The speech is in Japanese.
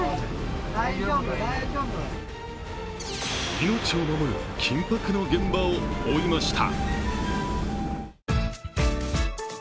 命を守る緊迫の現場を追いました。